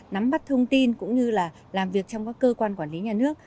nắm bắt thông tin cũng như là làm việc trong các cơ quan quản lý nhà nước